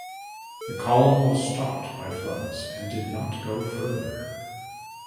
The column was stopped by floods and did not go further.